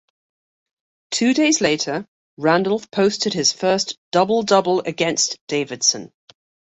Two days later, Randolph posted his first double-double against Davidson.